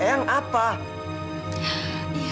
jika boleh siapa lagi pilih gw